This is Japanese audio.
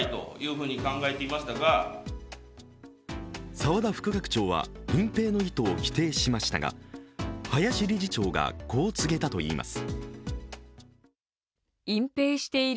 澤田副学長は隠蔽の意図を否定しましたが林理事長がこう告げたといいます。